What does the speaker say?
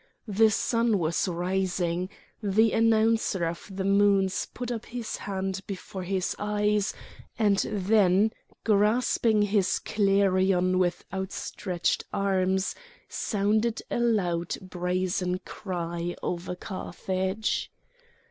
The sun was rising; the Announcer of the Moons put up his hand before his eyes, and then grasping his clarion with outstretched arms sounded a loud brazen cry over Carthage.